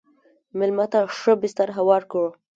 مېلمه ته ښه بستر هوار کړه.